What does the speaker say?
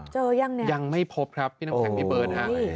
เจอยังไงยังไม่พบครับพี่น้องแข็งพี่เบิร์น